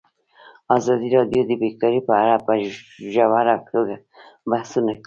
ازادي راډیو د بیکاري په اړه په ژوره توګه بحثونه کړي.